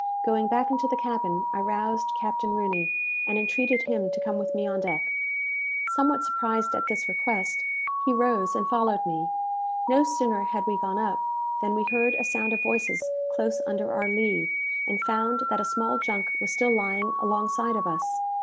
Going back into the cabin, I roused Captain Rooney, and entreated him to come with me on deck. Somewhat surprised at this request, he rose and followed me. No sooner had we gone up, than we heard a sound of voices close under our lee, and found that a small junk was still lying alongside of us.